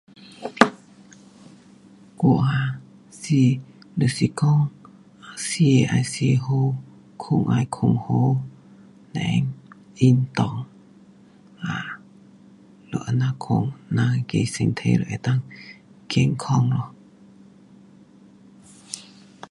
我啊，是，就是讲,吃要吃好，睡要睡好，then 运动 um 就这样款。咱那个身体就能够健康咯。